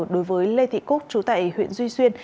đối với lê thị cúc chú tại huyện duy xuyên